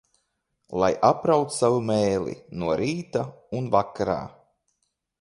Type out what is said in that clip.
Lai apraud savu mēli no rīta un vakarā.